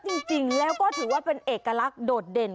จริงแล้วก็ถือว่าเป็นเอกลักษณ์โดดเด่น